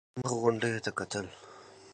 ټولو مخامخ غونډيو ته کتل.